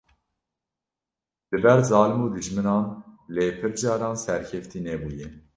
li ber zalim û dijminan lê pir caran serkeftî nebûye.